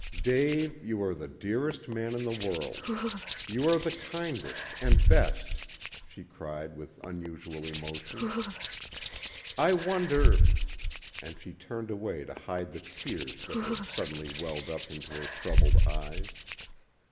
"Dave, you are the dearest man in the world. You are the kindest and best," she cried with unusual emotion. "I wonder " and she turned away to hide the tears that had suddenly welled up into her troubled eyes.